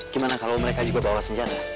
gimana kalau mereka juga bawa senjata